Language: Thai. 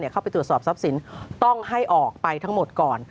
เข้าไปตรวจสอบทรัพย์สินต้องให้ออกไปทั้งหมดก่อน